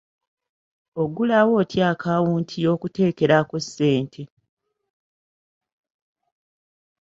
Oggulawo otya akaawunti y'okuterekako ssente?